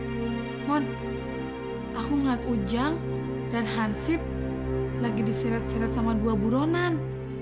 lius mon aku melihat ujang dan hansip lagi diseret seret sama dua buronan